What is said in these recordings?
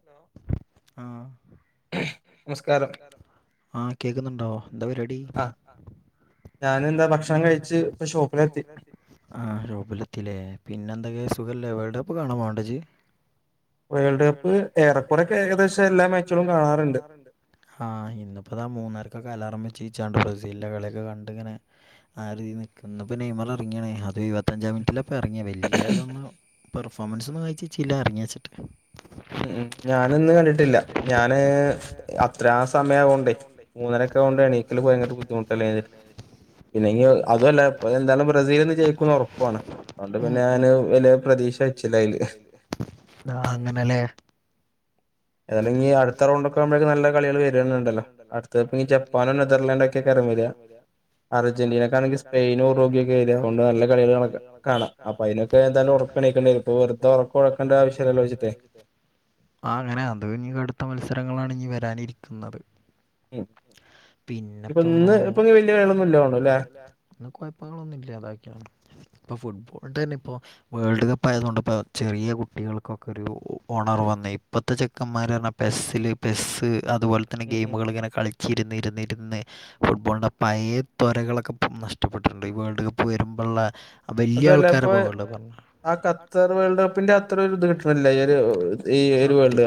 Hello ആ ആഹ കേക്കുന്നുണ്ടോ? എന്താ പരിപാടി ഞാന എന്താ ഭക്ഷണം കഴിച്ച് ഇപ്പൊ ഷോപ്പിലെത്തി ആഹ് ഷോപ്പ്ലത്തില്ലേ പിന്നെ എന്തൊക്കെയാ സുഖമല്ലേ വേൾഡ് കപ്പ് കാണോ പോവണ്ടോജ്? വേൾഡ് കപ്പ് ഏറെക്കുറെക്കെ ഏകദേശം എല്ലാ മാച്ചുകളും കാണാറുണ്ട്. ആ ഇന്നിപ്പോ താ മൂന്നാരക്കെ അലാറം വെച്ച് നീ ചാണ്ട് ബ്രസീലിന്റെറെ കളിയൊക്കെ കണ്ടിങ്ങനെ ആ രീ നിക്കുന്നപ്പ നെയ്മൽ ഇറങ്ങിയണേ അത് ഇരുപത്തഞ്ചാം മിനിറ്റിലപ്പ ഇറങ്ങിയ വല്യതൊന്നു പെർഫോമൻസ് ഒന്നും കഴിച വെച്ചില്ല എറങ്ങി വെച്ചിട്ട് ഉ ഞാനൊന്നും കണ്ടിട്ടില്ല ഞാന് അത്ര ആ സമയ ആവോണ്ടേ മൂന്നരക്കെ ആയ കൊണ്ട് ഏണികാൽ ഭയങ്കര ബുദ്ധിമുട്ടല്ല പിന്നെങ്ക അതു അല്ല ഇപ്പ എന്താണ് ബ്രസീൽ ഇന്ന് ജയിക്കുന്ന് ഉറപ്പാണ് അതുകൊണ്ട് പിന്നെ ഞാന് വലിയ പ്രതീക്ഷ വെ ച്ചില്ല അയിൽ ആഹ അങ്ങനെല്ലേ ഏതായാലും ഇഞ്ഞ് അടുത്ത റൗണ്ടൊകെ ആകുമ്പോഴക്കും നല്ല കളി വരുന്നുണ്ടല്ലോ അടുത്ത ജപ്പാ ജപ്പാ ജപ്പാനും നെതർലാൻ് ഒക്കെ കെറങ്ങു ലേ? അർജന്റീനക്കാണെങ്കിൽ സ്പെയിനു റോഗിയൊക്കെ എതൊണ്ട് നല്ല കളികള് കാണാം. പ അതിനൊക്കെ ഏതായാലും ഉറക്കണിക്കേണ്ടിവരും അപ്പ വെറുതെ ഒറക്ക ഒഴിക്കണ്ട ആവശ്യലല്ലോച്ചിട്ടാ ആ അങ്ങനെ അത ഇനി കടുത്ത മത്സരങ്ങളാണ് ഇനി വരാനിരിക്കുന്നത്. ഉ ഇപ്പൊ ഇന്ന് ഇപ്പ [unintelligible] ല്ലേ? കുഴപ്പങ്ങളൊ ന്നുല്ല അതാക്കിയാണ് ഇപ്പൊ ഫുട്ബോളി ന്റെന്നെ ഇപ്പോ. വേൾഡ് കപ്പ് ആയതു കൊണ്ട് ഇപ്പോ ചെറിയ കുട്ടികൾക്കൊക്കെ ഒരു ഓണർവ് വന്നെ ഇപ്പ ഇപ്പത്തെ ചെക്കന്മാർ പറഞ്ഞാൽ പെസ്സിൽ പെസ്സ് അതുപോലെ. അത്തരം ഗെയിമുകളിങ്ങനെ കളിച്ചിരുന്ന് ഇരുന്നിരുന്ന് ഫുട്ബോളിൻ്റെ പഴ തൊരകളൊക്കെ ഇപ്പം നഷ്ടപ്പെട്ടിട്ടുണ്ട് ഈ വേൾഡ് കപ്പ് വരുമ്പോള്ള വലിയ ആൾക്കാര പോ വേ പറഞ്ഞു. ആ ഖത്തർ വേൾഡ് കപ്പിന്റെ അത്ര ഒരിത് കിട്ടിണില്ല ഈ വേൾഡ് കപ്പ് സത്യം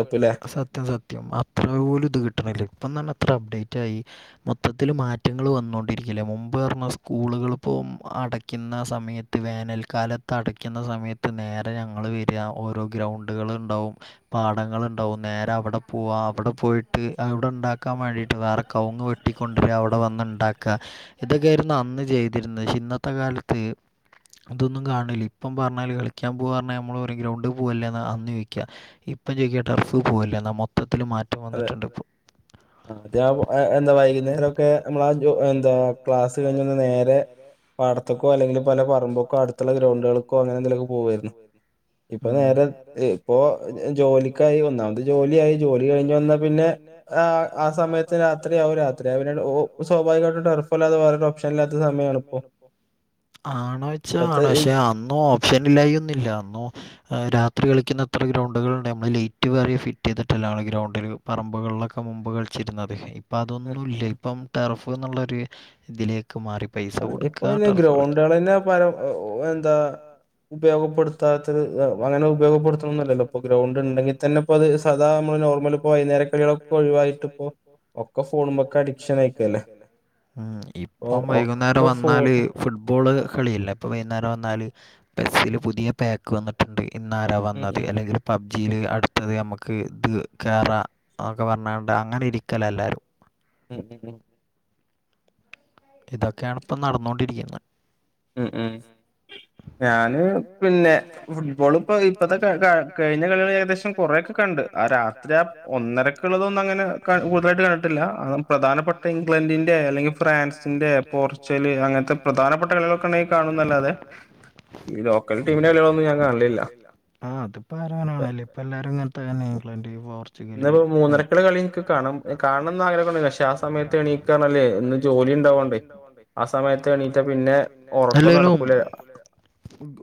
സത്യം. സത്യം അത്ര പോലും ഇത് കിട്ടണില്ല ഇപ്പം തന്നെ ഇത്ര അപ്ഡേറ്റ് ആയി. മൊത്തത്തിൽ മാറ്റങ്ങൾ വന്നു രിക്കില്ല മുമ്പ് നമ്മ സ്കൂളു ക്ള്പ്പോം അടയ്ക്കുന്ന സമയത്ത് വേനൽക്കാലത്ത്. അടയ്ക്കുന്ന സമയത്ത് നേരെ ഞങ്ങൾ വരാ ഓരോ ഗ്രൗണ്ടുകൾ ഉണ്ടാവും. പാടങ്ങള്ണ്ടാവും നേരെ അവിടെ പോവാ അവിടെ പോയിട്ട് അവിടെ ഉണ്ടാക്കാൻ വേണ്ടിട്ട് വേറെ കവുങ്ങ് വെട്ടി. വെട്ടിക്കൊണ്ടര അവിടെ വന്നുണ്ടാക്ക ഇതൊക്കെയായിരുന്നു അന്ന് ചെയ്തിരുന്നത് ഇന്നത്തെ കാലത്ത്. ഇതൊന്നും കാണില്ല ഇപ്പം പറഞ്ഞാൽ കളിക്കാൻ പോകാ പറഞ്ഞാൽ നമ്മൾ ഗ്രൗണ്ടിൽ പോവലേന്ന അന്ന് ചോയിക്ക. ഇപ്പം ചോയ്ക്ക ടർഫ് പോവല്ലേ ന്നാ മൊത്തത്തില് മാറ്റം വന്നിട്ടുണ്ട്. ആ അതെ എന്താ വൈകുന്നേരം. വൈകുന്നേര ക്കെ നമ്മൾ എന്താ ക്ലാസ്സ് കഴിഞ്ഞ് നേരെ പാടത്ത്ക്കോ അല്ലെങ്കിൽ പല പറമ്പ്ക്കോ അടുത്തുള്ള ഗ്രൗണ്ടുകൾക്കോ അങ്ങനെ എന്തേ ലൊക്കെ പോവു ആയിരുന്നു. ഇപ്പൊ നേരെ ഇപ്പോ ജോലിക്കായി ഒന്നാമത് ജോലിയായി ജോലി. കഴിഞ്ഞ് വന്ന പിന്നെ ആ സമയത്ത് രാത്രി ആവും. രാത്രി ആയാ പിന്നെ ഓ സേ [unintelligible] ടർഫ് അല്ലാതെവേറെ ഓപ്ഷനില്ലാത്ത സമ യാണ് പ്പോ, ആണോച്ചാ ആണ് പക്ഷെ അന്നും ഓപ്ഷൻ ഇല്ലായി ഒന്നുല്ല അന്ന്. രാത്രി കളിക്കുന്ന എത്ര ഗ്രൗണ്ടുകളുണ്ട്. നമ്മള് ലേറ്റ് വേറിം ഫിറ്റ് ചെയ്തിട്ടല്ലെ ആള് ഗ്രൗണ്ടിൽ. പറമ്പുകളിലൊക്കെ മുമ്പ് കളിച്ചിരുന്നത്. ഇപ്പം അതൊന്നുല്ല ഇപ്പം ടെർഫ് എന്നുള്ളൊരു ഇതിലേക്ക് മാറി. ഇപ്പൊ അയ്ന് ഗ്രൗണ്ടാളെന്നെ പരം എന്താ ഉപയോഗപ്പെടുത്താത്തത് അങ്ങനെ ഉപയോഗപ്പെടുത്തണന്നല്ലല്ലോ ഇപ്പൊ ഗ്രൗണ്ട് ഉണ്ടെങ്കിൽ തന്നെ. ഇപ്പ അത് സാധാ നമ്മള് നോർമൽ ഇപ്പോ വൈകുന്നേരെ കളികളൊക്കെ ഒഴിവായിട്ടിപ്പോ ഒക്കെ ഫോണുമക്ക് അഡിക്ഷൻ ആയിക്കല്ലേ. ഉം ഇപ്പം വൈകുന്നേരം വന്നാല് ഫുട്ബോള് കളിയില്ലേ ഇപ്പം വൈന്നേരം വന്നാല് ബസ്സിൽ പുതിയ പേ ക്ക് വന്നിട്ടുണ്ട് ഇന്നാര വന്നത് അല്ലെങ്കില് പബ്ജിയിൽ അടുത്തത് നന്മക്ക് ഇത് കേറ അഹക്കെ പർഞ്ഞാണ്ട അങ്ങനെ ഇരിക്കല എല്ലാവരും. ഉം ഉം ഉം ഇതൊക്കെയാണ് ഇപ്പം നടന്നോണ്ടിരിക്കുന്നേ. ഉം ഉം ഞാന് പിന്നെ ഫുട്ബോൾ ഇപ്പൊ ഇപ്പത്തെ ക ക കഴിഞ്ഞ കളികൾ ഏകദേശം കൊറെക്കെ കണ്ട്. ആഹ് രാത്രി ആഹ് ഒന്നരക്കുള്ളതൊന്നും അങ്ങനെ ക കൂടുതലായിട്ട് കണ്ടിട്ടില്ല. ആം പ്രധാനപ്പെ ഇപ്പ ഇംഗ്ലണ്ടിന്റെ എല്ലെങ്കിൽ ഫ്രാൻസ് ന്റെ പോർച്ചുഗല് അങ്ങൻത്തെ പ്രധാനപ്പെട്ട കളികളൊക്കെ ഇണ്ടെങ്കി കാണുന്നല്ലാതെ. ആ ആഹ് അത് പ്പോ ആരാ കാണല് ഇപ്പ എല്ലാരും ഇങ്ങ ത്താണ് ഇംഗ്ലണ്ട് പോർച്ചുഗല് മൂന്നരക്കള് കളി ഇൻക്ക് കാണാം കാൺണം ന്ന് ആഗ്രഹണ്ട് പക്ഷെ ആഹ് സമയ [unintelligible] ഇന്ന് ജോലി ന്ന് ജോലി ഉണ്ടാവോണ്ടെ ആ സമയത്ത് എണീട്ട പിന്നെ അല്ലേലും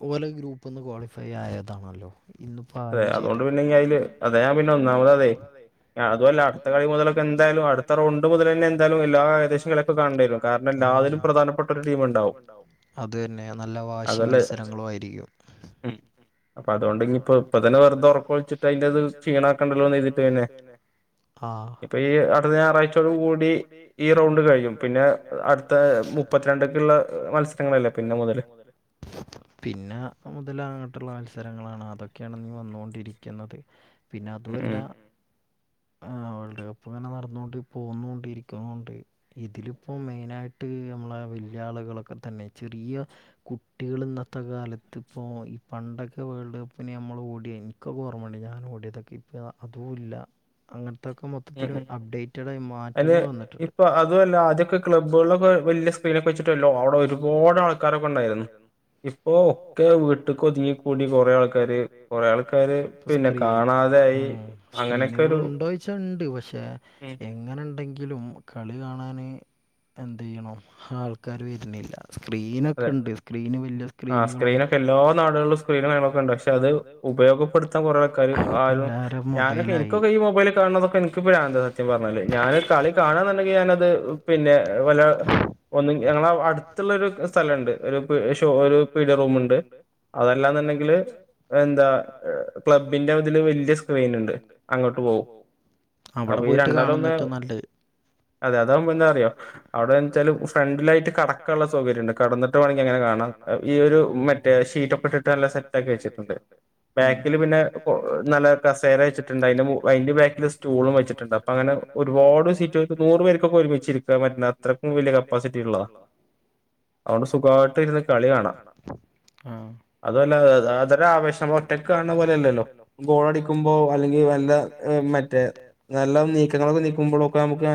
ഓലെ ഗ്രൂപ്പ് ഒന്ന് ക്വാളിഫൈ ആയതാണല്ലോ ഇന്നും. അതെ അതുകൊണ്ട് പിന്നെ ഞ്ഞയില് അതാ ഞാൻ പിന്നെ ഒന്നാമത് അതെയ്. അതും അല്ല അടുത്ത കളി മുതലൊക്കെ എന്തായാലും അടുത്ത റൗണ്ട് മുതലെന്നെ എന്തായാലും എല്ലാ ഏകദേശ കളിയൊക്കെ കാണേണ്ടി വരും. കാരണം എല്ലാതിലും പ്രധാനപ്പെട്ട ഒരു ടീം ണ്ടാവും. അത് തന്നെ നല്ല വാശി മത്സരങ്ങളു ആയിരിക്കും. അപ്പ അതോണ്ട് ഞ്ഞിപ്പം ഇപ്പതന്നെ വെർതെ ഒറക്കൊയിച്ചിട്ട് അയിന്റെ ത് ക്ഷീണാക്കണ്ടല്ലോന്ന് കര്തീട്ട് പിന്നെ ഇപ്പ ഈ അടുത്ത ഞായറാഴ്ചയോട് കൂടി ഈ റൗണ്ട് കഴിയും പിന്നെ. അടുത്ത മുപ്പത്തിരണ്ട്ക്ക്ള്ള മത്സരങ്ങളല്ലേ പിന്നെ മുതൽ. പിന്നെ മുതലങ്ങട്ടുള്ള മത്സരങ്ങളാണ് അതൊക്കെയാണ് ഞ്ഞി വന്നോണ്ടിരിക്കുന്നത്. പിന്നെ അതു അല്ല. ആഹ് വേൾഡ് കപ്പ് ഇങ്ങനെ നടന്നുകൊണ്ട് പോകുന്നുണ്ട് ഇരിക്കുന്നുണ്ട് ഇതില് ഇപ്പം മെയിനായിട്ട് നമ്മളെ വല്ല്യ ആളുളൊക്കെ തന്നെ ചെറിയ കുട്ടികൾ ഇന്നത്തെ കാലത്ത് ഇപ്പോ പണ്ടൊക്കെ വേൾഡ് കപ്പിന് നമ്മള് ഓടേനി. ക്കൊ ഓർമണ്ട് ഞാൻ ഓടിയതൊക്കെ ഇപ്പ അതും ഇല്ല അങ്ങൻത്തൊക്കെ മൊ സത്യത്തില് അപ്ഡേറ്റഡ് ആയി മാറ്റങ്ങൾ വന്ന്ട്ട്ണ്ട്. ഇപ്പൊ അതു അല്ല അതൊക്കെ ക്ലബ്ബുകളൊക്കെ വല്യ സ്ക്രീനൊക്കെ വച്ചിട്ട് [unintelligible] ഒരുപാട് ആൾക്കാരൊക്കെ ഉണ്ടായിരുന്നു. ഇപ്പൊ ഒക്കെ വീട്ട്ക്കൊത്ങ്ങി കൂടി കൊറെ ആൾക്കാര് കൊറെ ആൾക്കാര്. പിന്നെ കാണാതെ ആയി അങ്ങനക്കെ ഒരു ട്ടോയ്ച്ചണ്ട് പക്ഷെ ഉം എങ്ങനെണ്ടെങ്കിലും കളി കാണാന് എന്തയ്യണം ആൾക്കാര് വര്നില്ല. സ്ക്രീനക്കെ ഉണ്ട് സ്ക്രീന് വല്യ സ്ക്രീനുകളും സ്ക്രീനക്കെ എല്ലാ നാടുകളും സ്ക്രീന് വര്നൊക്കെ ണ്ട് പക്ഷെ അത് ഉപയോഗപ്പെടുത്താൻ കൊറെ ആൾക്കാര് ആരും ഞാനൊക്കെ ഇൻക്കൊക്കെ ഈ മൊബൈൽ കാണുന്നതൊക്കെ ഇൻക്ക് [unintelligible] സത്യം പർഞ്ഞാല് ഞാന് കളി കാണന്ന്ണ്ടെങ്കിൽ ഞാനത് പിന്നെ പല ഒന്നു ഞങ്ങള അട്ത്ത്ള്ള ഒരു സ് സ്ഥലണ്ട് ഒരു ഷോ ഒരു പീട്യ റൂമ്ണ്ട്. അതല്ലാന്നണ്ടെങ്കില് എന്താ ക്ലബ്ബിന്റെ ഇതില് വല്ല്യ സ്ക്രീന്ണ്ട്. അങ്ങട്ട് പോവും അവടെ പോയിട്ട് കാണുന്ന ഏറ്റവും നല്ലത്. അതെ അതാവുമ്പോ എന്താർയോ റിയോ അവ്ടെച്ചാല് ഫ്രണ്ടിലായിട്ട് കെട്ക്കാള്ള സൗകര്യ ണ്ട്. കെടന്നിട്ട് വേണങ്കി അങ്ങനെ കാണ അത് ഈ ഒരു മറ്റേ ഷീറ്റ് ഒക്കെ ഇട്ടിട്ട് നല്ല സെറ്റ് ആക്കി വെച്ചിട്ടുണ്ട് ബേക്കില് പിന്നെ കൊ നല്ല കസേര വെച്ചിട്ടുണ്ട് അയ്ന്റെ മൊ അയ്ന്റെ ബേക്കില് സ്റ്റൂളും വെച്ചിട്ടുണ്ട്. അപ്പങ്ങനെ ഒരുപാട് സീറ്റ് നൂറ് പേർക്കൊക്കെ ഒരുമിച്ചിര്ക്ക പ്പ ഇര്ക്കാൻ പറ്റ്ണ അത്രക്കും വല്ല്യ കപ്പാസിറ്റി ള്ളതാ. അവ്ടെ സുഖായിട്ട് ഇര്ന്ന് കളി കാണ. ആ അതു അല്ല അതരെ ആവേശ ഒറ്റക്ക് കാണുന്ന പോലെയല്ലല്ലോ ഗോളടിക്കുമ്പോ അല്ലെങ്കിൽ നല്ല മെ റ്റേ നല്ല നീക്കങ്ങളൊക്കെ നീക്കുമ്പോഴൊക്കെ നമുക്ക്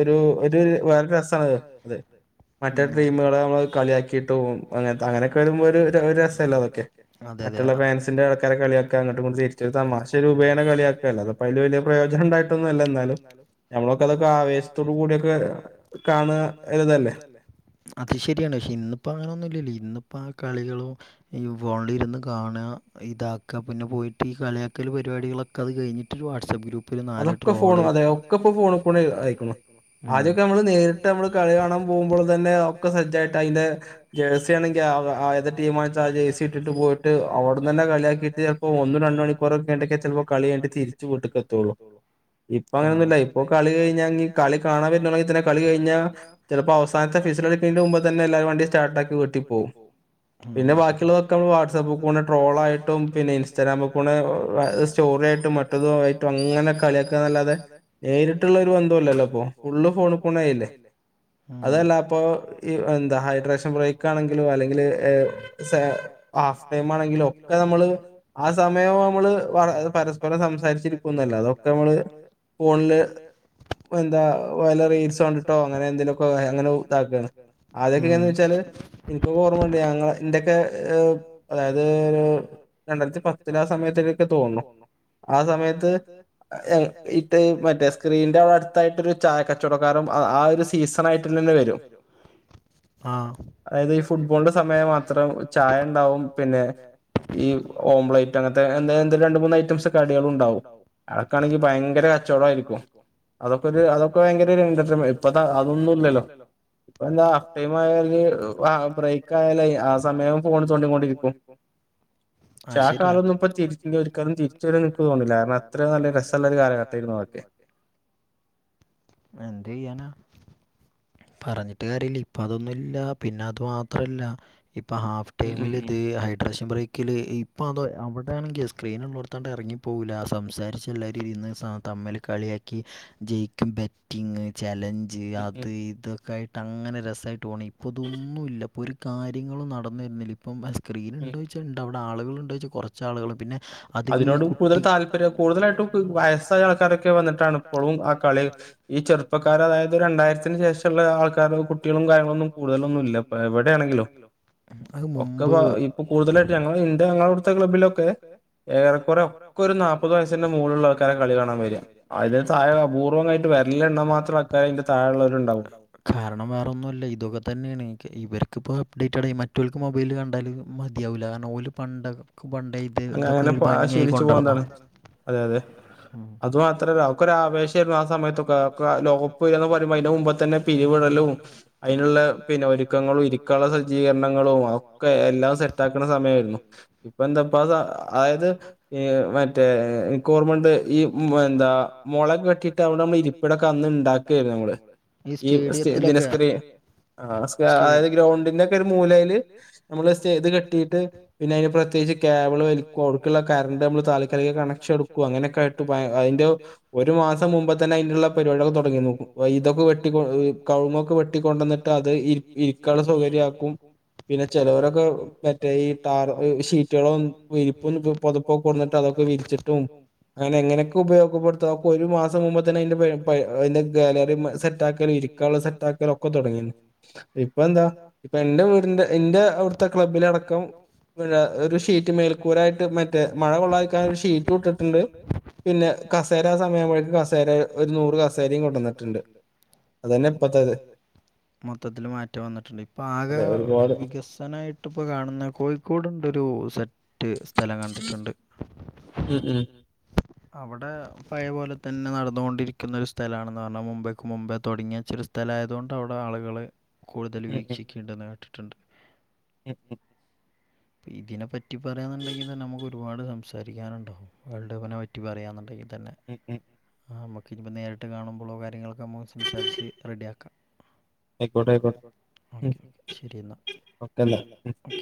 ഒരു ഒര്ത് ര് വേറെ രസാണത് ഉം മറ്റ് ടീമ്കള് നമ്മക്ക് കളിയാക്കിയിട്ട്പോവും അങ്ങൻത്തെ അങ്ങനെക്കെ വരുമ്പോ ഒര് ര് രസല്ലേ അതൊക്കെ അതെ അതെ പിന്നെ ഫാൻസിന്റെ ആൾക്കാരൊക്കെ കളിയാക്ക അങ്ങട്ടും ങ്ങട്ടും തെറ്റ തമാശ രൂപേണ കളിയാക്ക അല്ലാതെപ്പൊ അയ്ല് വല്യ പ്രയോജനംണ്ടായിട്ടൊന്നു അല്ല ന്നാലും ഞമ്മളൊക്കെ അതൊക്കെ ആവേശ്ത്തോട് കൂടിക്കെ കാണുക ഇതല്ലേ അത് ശരിയാണ് പക്ഷെ ഇന്നിപ്പോ അങ്ങനെയൊന്നുല്ലല്ലോ ഇന്നിപ്പോ ആ കളികളോ ഈ ഫോണിൽര്ന്ന് കാണാ ഇതാക്ക പിന്നെ പോയിട്ട് ഈ കളിയാക്കൽ പരിപാടികളൊക് അത് കഴ്ഞ്ഞിട്ട് ഒര് വാട്സആപ്പ് ഗ്രൂപ്പില് നാല് ട്രോള് അതെ ഒക്കെ പ്പൊ ഫോൺ കൂടെ അയ്ക്ക്ണ് ഉം അദ്യൊക്കെ നമ്മള് നേരിട്ട് നമ്മള് ത കാണൻ പോകുമ്പോള് തന്നെ ഒക്കെ സജ്ജായിട്ട് അയ്ന്റെ ജേഴ്സി ആന്നെങ്കി ആക ആദ്യത്തെ ടീം ആണ് ച്ചാ ആ ജയ്സി ഇട്ട്ട്ട് പോയിട്ട് അവ്ടന്നന്നെ കളിയാക്കീട്ട് ചെൽപ്പോ ഒന്ന് രണ്ട് മണിക്കൂറൊക്കെ ണ്ടക്കെ ചെൽപ്പോ കളിയയ്ഞ്ട്ട് തിര്ച്ച് വീട്ട്ക്കെത്തുള്ളൂ ഇപ്പൊ അങ്ങനൊന്നുല്ല ഇപ്പൊ കളി കഴിഞ്ഞങ്ങി കളി കാണാൻ വര്നുണ്ടങ്കി [unintelligible] കളിഴിഞ്ഞ ചിലപ്പോ അവസാൻത്തെ ഫിസ് ല്അടിക്ക്ന്റെ മുമ്പേ തന്നെ എല്ലാവും വണ്ടി സ്റ്റാർട്ടാക്കി വീട്ടിപ്പോവും പിന്നെ ബാക്കിയുള്ളതൊക്കെ നമ്മള് വാട്സആപ്പ് കൂടെ ട്രോളായിട്ടും പിന്നെ ഇൻസ്റ്റാഗ്രാമിൽ കൂടെ സ്റ്റോറിയായിട്ടും മറ്റ യിട്ടും അങ്ങനെ കളിയക്കാന്നല്ലാതെ നേരിട്ടുള്ള ഒരു ബന്ധോല്ലല്ലോ ഇപ്പോ ഫുള്ള് പ്പൊ ഫോണ് ഫുള്ളായില്ലേ അതല്ല അപ്പൊ ഈ എന്താ ഹൈഡ്രേഷൻ ബ്രേക്കാണെങ്കിലും അല്ലെങ്കില് സേ ഹാഫ് ടൈമാണെങ്കിലും ഒക്കെ നമ്മള് ആ സമയം നമ്മള് പരസ്പരം സംസാരിച്ചിരിക്കു ക്കൊന്നല്ല അതൊക്കെ നമ്മള് ഫോണില് എന്താ വല്ല റീൽസ് കണ്ടിട്ടോ അങ്ങനെ എന്തേലൊക്കെ അങ്ങനെ ഇതാക്കാണ് ഉം വെച്ചാ ഇൻക്കൊക്കെ ഓർമ്മണ്ട് ഞങ്ങ ഇന്റൊക്കെ അതായത് രണ്ടായിരത്തി പത്ത് ത്തി പത്ത്ലെ ആ സമയത്തെക്കൊക്കെ തോൺണു ആ സമയത്ത് ഏ ഇപ്പ ഈ മറ്റേ സ്ക്രീൻന്റെ അവിടെട്ത്തായിട്ടൊരു ചായ കട് ചായക്കച്ചോടക്കാരൻ ആ ഒരു സീസണായിട്ടന്നെന്നെ വരും ആ അതായത് ഈ ഫുട്ബോളിന്റെ സമയം മാത്രം ചായ ണ്ടാവും പിന്നെ ഈ ഓംപ്ലയിറ്റ് അങ്ങൻത്തെ എന്ത് എന്തെങ്കിലും രണ്ട് മൂന്ന് ഐറ്റംസ് കടികളും ഇണ്ടാവും അൗ അതക്കാണെങ്കി ഭയങ്കര കച്ചോടും ആയിരിക്കും അതൊക്കെ ഒരു അതൊക്കെ ഭയങ്കര അതൊക്കെര് എന്റർടൈമ് ഇപ്പത്താ അതൊന്നുല്ലല്ലോ ഇപ്പൊ എന്താ ഹാഫ് ടൈം ആയാല് ആ ബ്രേക്ക് ആയാല് ആസമയം ഫോൺ തോണ്ടിക്കൊണ്ടിരിക്കും പക്ഷേ ആകാലൊന്നും ഇപ്പോ തിരിച്ച് ഒരിക്കാലും തിരിച്ച് വരും ഇൻക്ക് തോന്നുന്നില്ല കാരണം അത്ര നല്ല രസ്സള്ളൊരു കാലഘട്ടയിനി അതൊക്കെ എന്തെയ്യാന പറഞ്ഞിട്ട് കാര്യല്ല ഇപ്പൊ അതൊന്നുല്ല പിന്നെ അത് മാത്രല്ല ഇപ്പൊ ഹാഫ് ടൈമിലിത് ഹൈഡ്രഷൻ ബ്രക്ക് ഒരിക്കല് ഇപ്പോ അതോ അവടെയാണെങ്കി സ്ക്രീന്ള്ളോട്ത്താണ്ട് എറങ്ങിപ്പോകൂല സംസാരിച്ച് എല്ലാവരും ഇരുന്ന് സ തമ്മില് കളിയാക്കി ജെയിക്കും ബെ റ്റിങ്ങ് ചലഞ്ച് അത് ഇതൊക്കാ യിട്ട്ങ്ങനെ രസായിട്ടോണി പ്പൊ തൊന്നൂല്ല പ്പൊര് കാര്യങ്ങള് നടന്ന് വരുന്നില്ലിപ്പം എ സ്ക്രീന് ണ്ടോയിച്ചാ ണ്ടവടാളുകളുണ്ടോയിച്ചാ കൊറച്ചാ ളുകള് പിന്നെ അത് വീ ക്കുട്ടി അതിനോട് കൂടുതൽ താല്പര്യം കൂടുതലായിട്ടും വയസ്സായ ആൾക്കാരൊക്കെ വന്നിട്ടാണ് പ്പളും ആ കളി ഈ ചെറുപ്പക്കാരതായത് രണ്ടായിരത്തിന് ശേഷള്ള ആൾക്കാരോ കുട്ടികളും കാര്യങ്ങളൊന്നും കൂടുതലൊന്നൂല്ല പ്പോ എവിടെയാണെങ്കിലും. അഅ് മുമ്പ് ഇപ്പം കൂടുതലായിട്ട് ഞങ്ങളെ ഇൻ്റെ ഞങ്ങളവ്ട്ത്തെ ക്ലബ്ബിലൊക്കെ ഏറെക്കൊറെ ഒക്കെ ഒരു നാപ്പത് വയസിന്റെ മുകളിലുള്ള ആൾക്കാരാ കളി കാണാൻ വര അതിന് തായെ അപൂർവമായിട്ട് വ ണ്ണാമാത്രം ആക്കാര് അയിന്റെ താഴെള്ളോര്ണ്ടാവും. കാരണം വേറൊന്നുഅല്ല ഇതൊക്കെ തന്നെയാണ് കെ ഇവര്ക്ക് പ്പോ അപ്ഡേറ്റഡായി മറ്റോൽക്ക് മൊബൈല് കണ്ടാല് മതിയാവൂല്ല കാരണം ഓല് പണ്ടക്ക് പണ്ടേ ഇത് ഇതൊക്കെ ഒരു ഭംഗിയായി കൊണ്ടടന്നാ അതെ അതെ അത് മാത്രല്ല അഒക്കൊരാവേശായിരുന്നു ആ സമയത്തൊക്ക ക്ക ലോകപ്പ് എന്ന് പറയുമ്പൊ അയിന്റെ മുമ്പ തന്നെ പിരിവിടലും അയിനുള്ള പിന്ന ഒര് ക്കങ്ങളും ഇരിക്കാള്ള സജ്ജീകരണങ്ങളും അഒക്കെ എല്ലാം സെറ്റാക്ക്ണ സമയായിരുന്നു. ഇപ്പെന്താ പ്പത അതായത് എ മറ്റേ എ നിക്കോർമ്മണ്ട് ഈ എന്താ മൊളെ ക്കെട്ടി ഇത്തവണ മ്മി രിപ്പിടൊക്കന്ന് ണ്ടാക്കേരുന്നു മ്മള് ഈ [unintelligible] സ്ക്രീൻ ആഹ് സ് അതായത് ഗ്രൗണ്ടിന്റെ ഒക്കെ ഒരു മൂലേല് നമ്ക്ക് സ്റ്റേജ് കെട്ടിട്ട് പിന്നെ അയിന് പ്രത്യേകിച്ച് കേബിള് വലിക്കും അഉട്ക്ക്ള്ള കറണ്ട് നമ്മള് താൽക്കാലിക കണക്ഷൻ എടുക്കും അങ്ങനെയൊക്കയിട്ട് അയിന്റെ ഒരു മാസം മുമ്പത്തന്നെ അയിനുള്ള പരിപാ ളൊക്കെ തൊടങ്ങി നോക്കും വ ഇതൊക്കെ വെട്ടികൊ കവുങ്ങൊക്കെ വെട്ടി കൊണ്ടന്നിട്ട് അത് ഇരി ഇരി ഇരിക്കാള്ള സൗകര്യാക്കും പിന്നെ ചെലോരൊക്കെ മറ്റേ ഈ ടാർ ഇ ശീറ്റുകളൊ റ്റളും വിരിപ്പും പൊ പൊതുപ്പൊക്കെ കൊണ്ടന്ന്ട്ട് അതൊക്കെ വിരിച്ചിട്ടും അങ്ങനെങ്ങനൊക്കെ ഉപയോഗപ്പെടുത്ത അഒക്കെ ഒരു മാസം മുമ്പത്തന്നെ അയിൻ്റെ പരി പ [unintelligible] അയിന്റെ ഗാലറി മ സെറ്റാക്കാലും ഇരിക്കാള്ള സെറ്റാക്കലും ഒക്കെ തൊടങ്ങീനി ഇപ്പൊന്താ ഇപ്പന്റെ വീടിന്റെ ഇന്റെ അവിട്ത്തെ ക്ലബിലടക്കം പിനെ ഒര് ഷ് ഒര് ഷീറ്റ് മേൽക്കൂരായിട്ട് മറ്റേ മഴ കൊള്ളാതിരികാൻ ഒരു ഷീറ്റൂട്ടിട്ടുണ്ട്. പിന്നെ കസേര ആസമയ്മ്പഴേക്ക് കസേര ഒരു നൂറ് കസേരെം കൊണ്ടന്നിട്ട്ണ്ട്. അതന്നെ പ്പത്തെ ത് മൊത്തത്തില് മാറ്റം വന്നിട്ട്ണ്ട് ഇപ്പാകെ വികസനായി ട്ട്പ്പോ കാണുന്നെ കോഴിക്കോടുണ്ടൊരു സെ റ്റ് സ്ഥലം കണ്ടിട്ടുണ്ട് ഉ ഉം അവ്ടെ പയേ പോലെതന്നെ നടന്ന് കൊണ്ടിരി ക്കുന്നൊരു സ്ഥലാണെന്നർഞ്ഞ മുമ്പേക്ക് മുമ്പേ തൊടങ്ങിയച്ചൊരു സ്ഥലായതു കൊണ്ടവ്ടാളുകള് കൂടുതല് വീക്ഷിക്ക്ണ്ടെന്ന് കേട്ടിട്ട്ണ്ട് [inaudible] പ്പിതിനെ പറ്റി പറയാന്ന്ണ്ടെങ്കിതന്നെ നമ്മക്കൊരുപാട് സംസാരിക്കാന്ണ്ടാവും വേൾഡ്കപ്പിനെ പറ്റി പറയാന്നുണ്ടെങ്കിതന്നെ [inaudible] ആ മ്മക്ക്ഞ്ഞിപ്പോ നേരിട്ട് കാണുമ്പൊള്ള കാര്യങ്ങളൊക്കെ നമു സംസാരിച്ച് റെഡിയാക്ക. ക്കോട്ടെ അയിക്കോ ഉം ഒക്കെന്നാ ഉം.